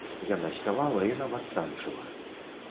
Яна спявала і нават танчыла.